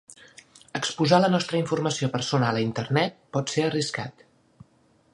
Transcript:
Exposar la nostra informació personal a Internet pot ser arriscat.